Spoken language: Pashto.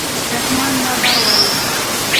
رحمان بابا وايي.